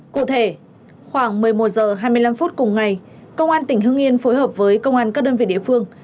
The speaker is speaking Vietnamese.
cụ thể khoảng một mươi một h hai mươi năm phút cùng ngày công an tỉnh hưng yên phối hợp với công an các đơn vị địa phương